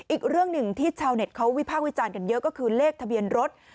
อีกเรื่องหนึ่งที่ชาวเน็ตเขาวิพากษ์วิจารณ์กันเยอะก็คือเลขทะเบียนรถ